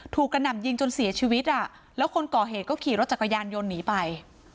กระหน่ำยิงจนเสียชีวิตอ่ะแล้วคนก่อเหตุก็ขี่รถจักรยานยนต์หนีไป